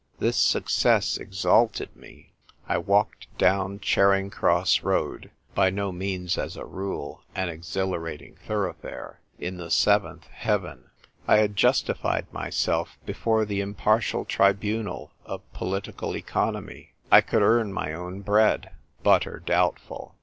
This success exalted me. I walked down Charing Cross Road (by no means, as a rule, an exhilarating thoroughfare) in the seventh heaven. I had justified myself before the im partial tribunal of political economy. I could c 2 28 THE TYPE WRITER GIRL. earn my own bread — butter doubtful.